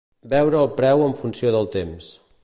"Veure el preu en funció del temps".